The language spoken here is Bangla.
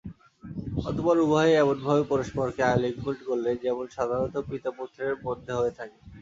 অতঃপর উভয়ে এমনভাবে পরস্পরকে আলিঙ্গন করলেন, যেমন সাধারণত পিতাপুত্রের মধ্যে হয়ে থাকে।